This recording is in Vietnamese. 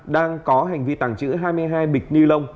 đang có hành vi tàng trữ hai mươi hai bịch ni lông